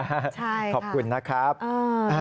ใช่ค่ะขอบคุณนะครับอ่า